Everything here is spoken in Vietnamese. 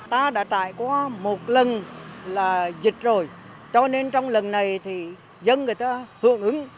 ta đã trải qua một lần là dịch rồi cho nên trong lần này thì dân người ta hưởng ứng